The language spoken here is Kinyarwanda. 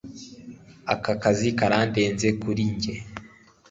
Aka kazi karandenze kuri njye